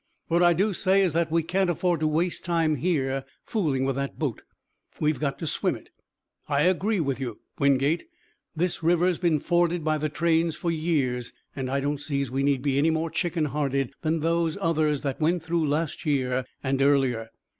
What I do say is that we can't afford to waste time here fooling with that boat. We've got to swim it. I agree with you, Wingate. This river's been forded by the trains for years, and I don't see as we need be any more chicken hearted than those others that went through last year and earlier.